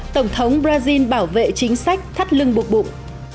tổng thống brazil bảo vệ chính sách thắt lưng buộc bụng